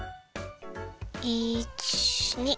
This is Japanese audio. １２。